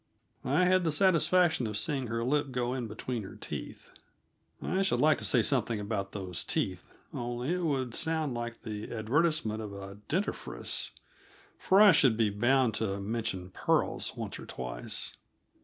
I had the satisfaction of seeing her lip go in between her teeth. (I should like to say something about those teeth only it would sound like the advertisement of a dentifrice, for I should be bound to mention pearls once or twice.)